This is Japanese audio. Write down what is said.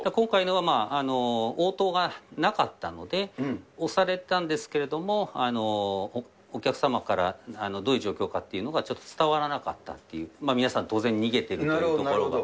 今回のは応答がなかったので、押されたんですけども、お客様から、どういう状況かっていうのが、ちょっと伝わらなかったという、皆さん、当然逃げているということが。